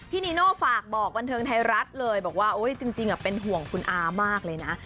นีโน่ฝากบอกบันเทิงไทยรัฐเลยบอกว่าจริงเป็นห่วงคุณอามากเลยนะ